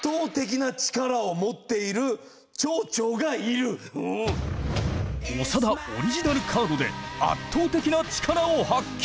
まずは長田オリジナルカードで圧倒的な力を発揮！